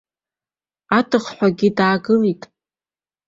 Адыхҳәагьы даагылеит.